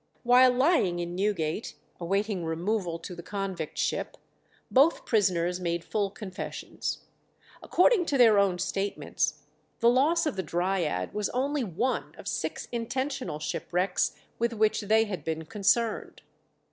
While lying in Newgate, awaiting removal to the convict ship, both prisoners made full confessions. According to their own statements the loss of the 'Dryad' was only one of six intentional shipwrecks with which they had been concerned.